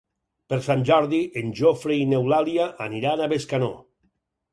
Per Sant Jordi en Jofre i n'Eulàlia aniran a Bescanó.